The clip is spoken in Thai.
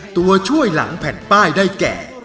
ตัวช่วยหลังแผ่นป้ายได้แก่